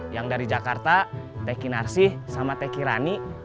yang dari jakarta teki narsih sama teh rani